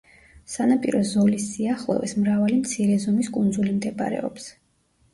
სანაპირო ზოლის სიახლოვეს მრავალი მცირე ზომის კუნძული მდებარეობს.